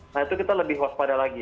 nah itu kita lebih waspada lagi